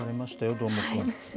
どーもくん。